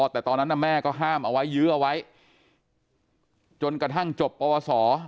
แต่ตอนนั้นแม่ก็ห้ามเอาไว้ยื้อเอาไว้จนกระทั่งจบปวสอ